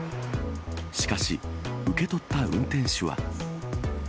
しかし、受け取った運転手は。